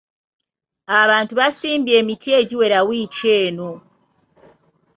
Abantu basimbye emiti egiwera wiiki eno .